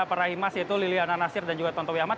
peraih emas yaitu liliana nasir dan juga tontowi ahmad